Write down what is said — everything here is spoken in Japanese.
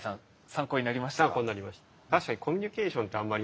参考になりました。